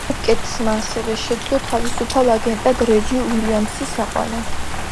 ბობკეტსმა ასევე შეძლო თავისუფალ აგენტად რეჯი უილიამსის აყვანა.